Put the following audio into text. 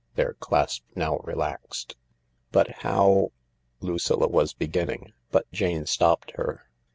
Their clasp now relaxed. " But how " Lucilla was beginning, tut Jane stopped her.